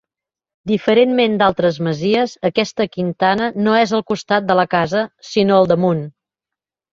Diferentment d'altres masies, aquesta quintana no és al costat de la casa, sinó al damunt.